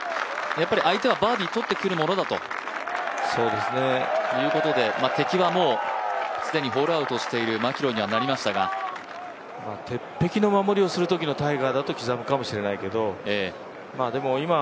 やっぱり相手はバーディー取ってくるものだということで敵は既にホールアウトしているマキロイにはなりましたが、鉄壁の守りをするときのタイガーだと刻むかもしれないけど、でも、今